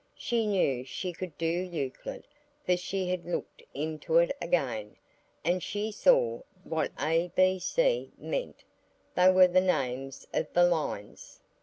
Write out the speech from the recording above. She knew she could do Euclid, for she had looked into it again, and she saw what A B C meant; they were the names of the lines.